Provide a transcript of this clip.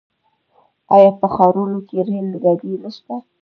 آیا په ښارونو کې ریل ګاډي نشته؟